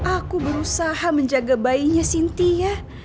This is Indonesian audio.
aku berusaha menjaga bayinya sintia